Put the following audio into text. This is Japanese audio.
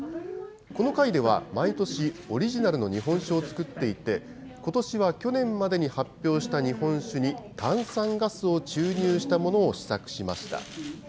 この会では毎年、オリジナルの日本酒を造っていて、ことしは去年までに発表した日本酒に炭酸ガスを注入したものを試作しました。